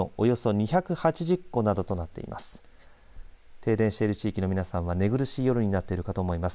停電している地域の皆さんは寝苦しい夜になっているかと思います。